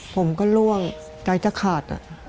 ผมก็ล่วงใจจะขาด